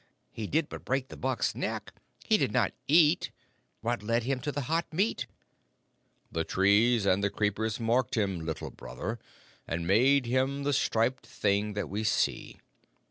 He did but break the buck's neck. He did not eat. What led him to the hot meat?" "The trees and the creepers marked him, Little Brother, and made him the striped thing that we see.